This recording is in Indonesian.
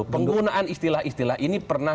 penggunaan istilah istilah ini pernah